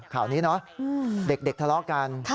ข่าวนี้เนอะเด็กทะเลาะกัน